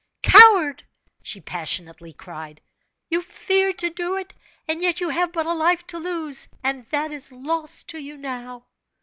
"Coward!" she passionately cried; "you fear to do it, and yet you have but a life to lose, and that is lost to you now!"